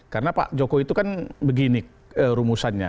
karena pak jokowi itu kan begini rumusannya